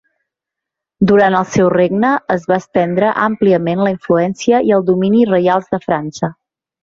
Durant el seu regne es va estendre àmpliament la influència i el domini reials de França.